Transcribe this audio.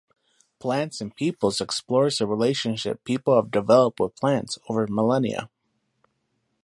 Plants and Peoples explores the relationship people have developed with plants over millennia.